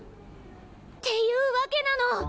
っていうわけなの！